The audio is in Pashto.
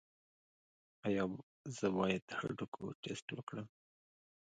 ایا زه باید د هډوکو ټسټ وکړم؟